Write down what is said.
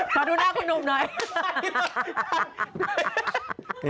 ขอดูหน้าคุณหนุ่มหน่อย